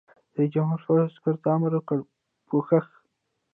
رئیس جمهور خپلو عسکرو ته امر وکړ؛ پوښښ!